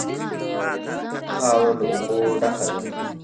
خاوره له اوبو ډکه ده.